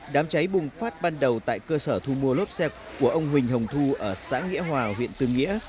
đám cháy bùng phát ban đầu tại cơ sở thu mua lốp xe của ông huỳnh hồng thu ở xã nghĩa hòa huyện tư nghĩa